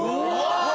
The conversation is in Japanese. うわ！